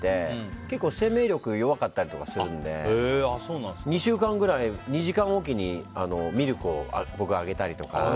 結構、生命力が弱かったりするので２週間ぐらい２時間おきにミルクをあげたりとか。